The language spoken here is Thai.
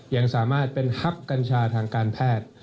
ยังสามารถเป็นฮับกัญชาทางการแพทย์